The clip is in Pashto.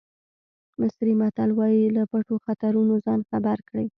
مصري متل وایي له پټو خطرونو ځان خبر کړئ.